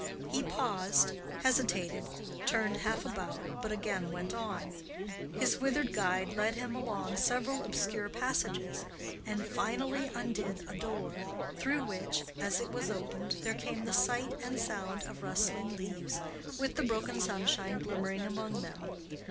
He paused, hesitated, turned half about, but again went on. His withered guide led him along several obscure passages, and finally undid a door, through which, as it was opened, there came the sight and sound of rustling leaves, with the broken sunshine glimmering among them.